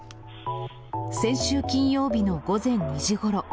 先週金曜日の午前２時ごろ。